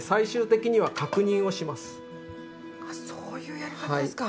あっそういうやり方ですか。